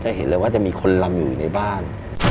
เห็นเลยว่าจะมีคนลำอยู่ในบ้าน